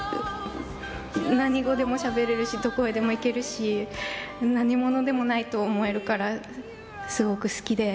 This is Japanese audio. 何語でもしゃべれるしどこへでも行けるし何者でもないと思えるからすごく好きで。